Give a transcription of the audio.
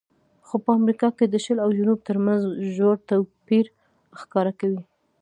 خو په امریکا کې د شل او جنوب ترمنځ ژور توپیر ښکاره کوي.